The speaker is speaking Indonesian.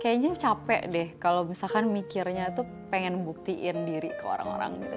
kayaknya capek deh kalau misalkan mikirnya tuh pengen buktiin diri ke orang orang gitu